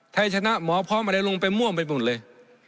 ชนะหมอพร้อมอะไรลงไปม่วงไปหมดเลย